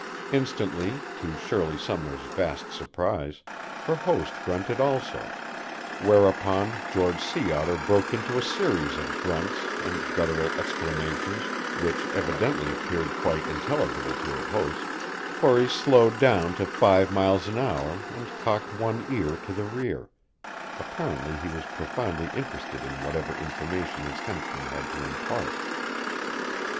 Instantly, to Shirley Sumner's vast surprise, her host grunted also; whereupon George Sea Otter broke into a series of grunts and guttural exclamations which evidently appeared quite intelligible to her host, for he slowed down to five miles an hour and cocked one ear to the rear; apparently he was profoundly interested in whatever information his henchman had to impart.